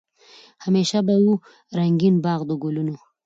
همېشه به وو رنګین باغ د ګلونو